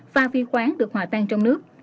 pha phi khoáng được hòa tan trong nước